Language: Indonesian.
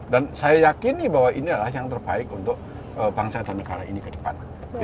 dan saya yakini bahwa ini adalah yang terbaik untuk bangsa dan negara ini ke depan